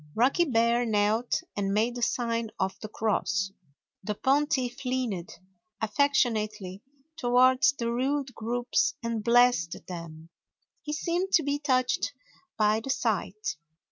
Rocky Bear knelt and made the sign of the cross. The pontiff leaned affectionately toward the rude groups and blessed them. He seemed to be touched by the sight.